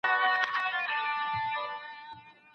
آیا ستا په پوهنځي کي کتابتون شته؟